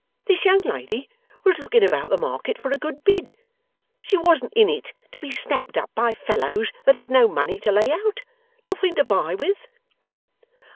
This young lady was looking about the market for a good bid; she wasn't in it to be snapped up by fellows that had no money to lay out; nothing to buy with.